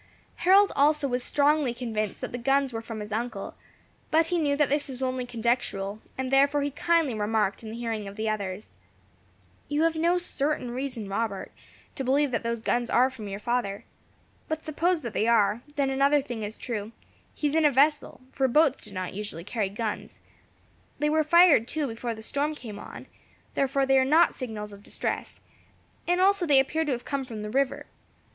Harold also was strongly convinced that the guns were from his uncle, but he knew that this was only conjectural, and therefore he kindly remarked in the hearing of the others. "You have no certain reason, Robert, to believe that those guns are from your father. But suppose that they are, then another thing is true, he is in a vessel, for boats do not usually carry guns. They were fired too before the storm came on; therefore they are not signals of distress, and also they appear to have come from the river.